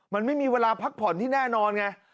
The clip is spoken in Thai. มันไม่มีเวลาพักผ่อนที่แน่นอนไง